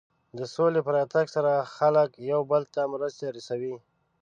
د سولې په راتګ سره خلک یو بل ته مرستې رسوي.